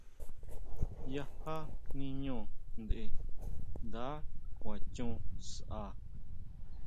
Yajá niño ntʼe, nda kuan chon sʼa.